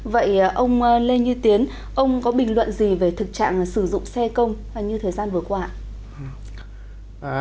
vậy ông lê như tiến ông có bình luận gì về thực trạng sử dụng xe công như thời gian vừa qua ạ